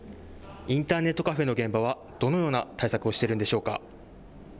インターネットカフェの現場はどのような対策をしているんでしょうか。